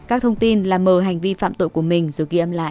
các thông tin là mờ hành vi phạm tội của mình rồi ghi âm lại